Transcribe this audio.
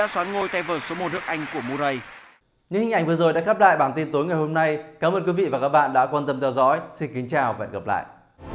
xin chào và hẹn gặp lại